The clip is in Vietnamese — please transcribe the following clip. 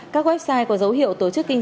các website có dấu hiệu tổ chức kinh tế